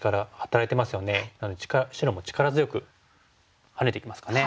なので白も力強くハネてきますかね。